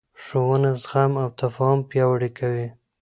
ښوونه زغم او تفاهم پیاوړی کوي